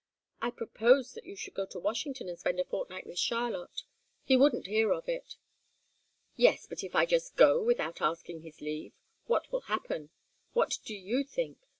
"I proposed that you should go to Washington and spend a fortnight with Charlotte. He wouldn't hear of it." "Yes but if I just go without asking his leave? What will happen? What do you think?